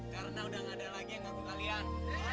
karena udah nggak ada lagi yang ngaku kalian